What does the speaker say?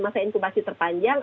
masa inkubasi terpanjang